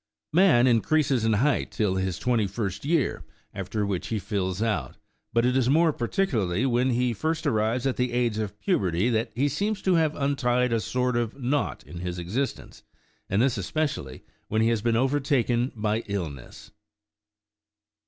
Man increases in height till his twenty first year, after which he fills out ; but it is more particularly when he first arrives at the age of puberty that he seems to have untied a sort of knot in his existence, and this especially when he has been overtaken by illness.